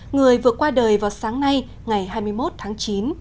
người vừa qua đời vào sáng nay ngày hai mươi một tháng chín